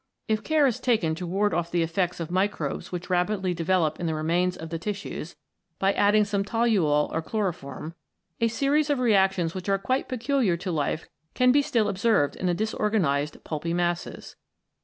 If care is taken to ward off the effects of microbes which rapidly develop in the remains of the tissues, by adding some toluol or chloroform, a series of reactions which are quite peculiar to life can be still observed in the disorganised pulpy masses.